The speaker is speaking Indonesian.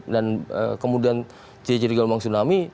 dan kemudian cedera cedera gomong tsunami